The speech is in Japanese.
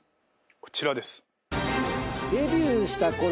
こちらです。